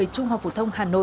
trung học phổ thông hà nội